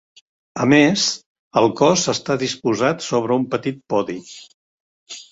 A més, el cos està dipositat sobre un petit podi.